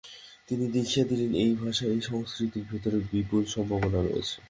তিনি দেখিয়ে দিলেন, এই ভাষা এই সংষ্কৃতির ভেতরেও বিপুল সম্ভাবনা রয়েছে।